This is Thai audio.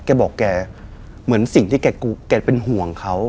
แกบอกแกเหมือนสิ่งที่แกเป็นห่วงเขา